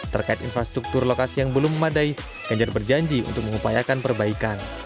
terkait infrastruktur lokasi yang belum memadai ganjar berjanji untuk mengupayakan perbaikan